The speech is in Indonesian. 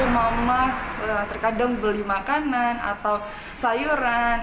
mama terkadang beli makanan atau sayuran